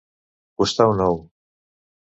Costar un ou.